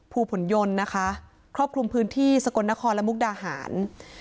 ผลยนต์นะคะครอบคลุมพื้นที่สกลนครและมุกดาหาร